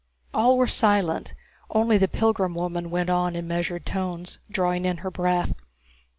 All were silent, only the pilgrim woman went on in measured tones, drawing in her breath.